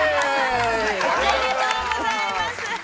◆おめでとうございます。